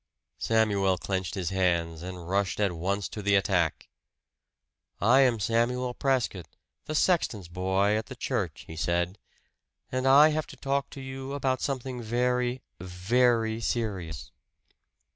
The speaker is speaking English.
Samuel clenched his hands and rushed at once to the attack. "I am Samuel Prescott, the sexton's boy at the church," he said; "and I have to talk to you about something very, VERY serious."